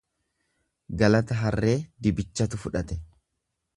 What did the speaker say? Galata harree dibichatu fudhate.